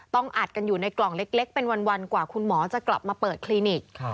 ต้องอัดกันอยู่ในกล่องเล็กเป็นวันกว่าคุณหมอจะกลับมาเปิดคลินิก